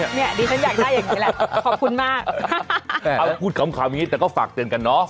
เนี่ยดิฉันอยากได้อย่างนี้แหละขอบคุณมากเอาพูดขำอย่างนี้แต่ก็ฝากเตือนกันเนอะ